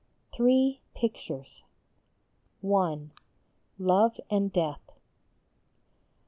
THREE PICTURES. I. LOVE AND DEATH.